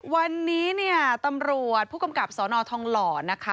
วันนี้เนี่ยตำรวจผู้กำกับสนทองหล่อนะคะ